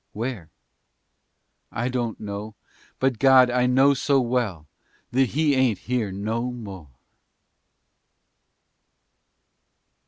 Where? I don't know, but God! I know so well That he ain't here no more!